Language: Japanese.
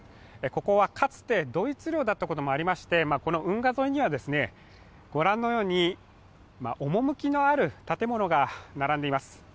ここはかつてドイツ領だったこともありまして、この運河沿いには御覧のように趣のある建物が並んでいます。